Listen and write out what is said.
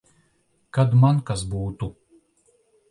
Kad man kas būtu.